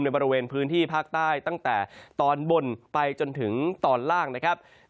บริเวณพื้นที่ภาคใต้ตั้งแต่ตอนบนไปจนถึงตอนล่างนะครับ